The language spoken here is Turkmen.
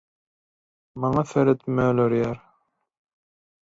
maňa seredip mölerýär.